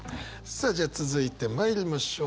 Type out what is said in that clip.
さあじゃあ続いて参りましょう。